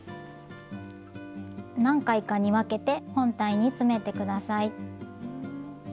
何回かに分けて本体に詰めて下さい。